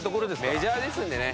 メジャーですんでね。